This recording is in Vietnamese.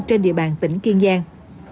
trên địa bàn tỉnh kiên giang